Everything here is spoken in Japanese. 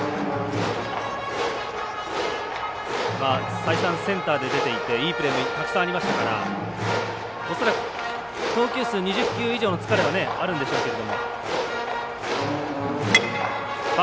再三センターで出ていていいプレーもたくさんありましたから恐らく、投球数２０球以上の疲れはあるんでしょうけど。